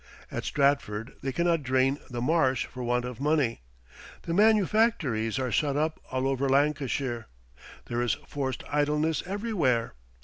At Stratford they cannot drain the marsh for want of money. The manufactories are shut up all over Lancashire. There is forced idleness everywhere.